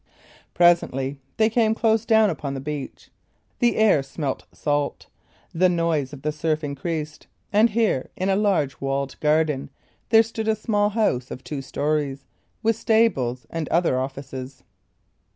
Presently they came close down upon the beach. The air smelt salt; the noise of the surf increased; and here, in a large walled garden, there stood a small house of two storeys, with stables and other offices.